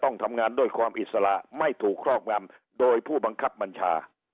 ต้องทำงานด้วยความอิสระไม่ถูกครอบงำโดยผู้บังคับบัญชา